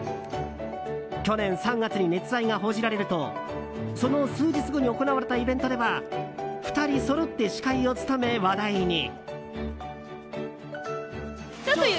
去年３月に熱愛が報じられるとその数日後に行われたイベントでは２人そろって司会を務め、話題に。